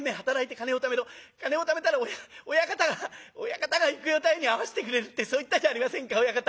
金をためたら親方が親方が幾代太夫に会わせてくれる』ってそう言ったじゃありませんか親方。